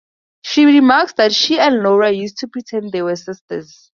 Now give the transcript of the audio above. She remarks that she and Laura used to pretend they were sisters.